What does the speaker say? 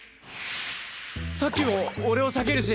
さっきも俺を避けるし。